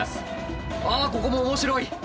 ああここも面白い。